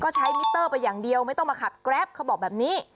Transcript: ก็ใช้มิเตอร์ไปอย่างเดียวไม่ต้องมาขับแกรปเขาบอกแบบนี้